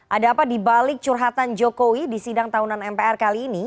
ada apa dibalik curhatan jokowi di sidang tahunan mpr kali ini